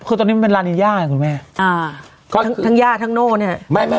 คือตอนนี้มันเป็นทางเยื่อทั้งโหน้วเนี่ยไม่